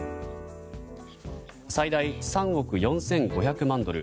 最大３億４５００万ドル